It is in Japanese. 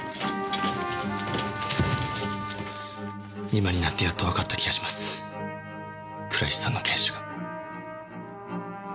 今になってやっとわかった気がします倉石さんの検視が。